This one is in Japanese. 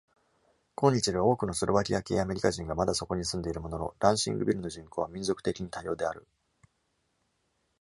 今日では、多くのスロバキア系アメリカ人がまだそこに住んでいるものの、ランシングビルの人口は、民族的に多様である。